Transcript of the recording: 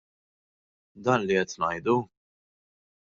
Dan li qed ngħidu?